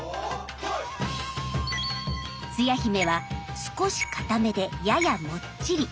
つや姫は少しかためでややもっちり。